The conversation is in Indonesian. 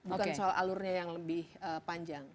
bukan soal alurnya yang lebih panjang